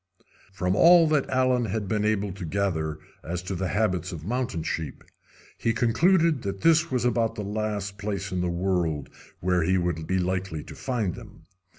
From all that Allen had been able to gather as to the habits of mountain sheep he concluded that this was about the last place in the world where he would be likely to find them.